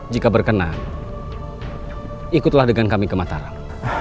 jika berkenan ikutlah dengan kami ke mataram